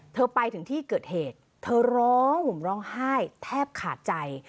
ไปถึงที่เกิดเหตุเธอร้องห่มร้องไห้แทบขาดใจ